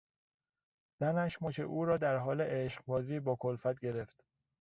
زنش مچ او را در حال عشقبازی با کلفت گرفت.